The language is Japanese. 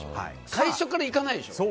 最初からいかないでしょ。